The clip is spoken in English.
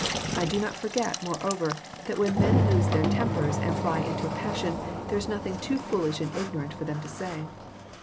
I do not forget, more over, that when men lose their tempers and fiy into a passion, there is nothing too foolish and ignorant for them to say.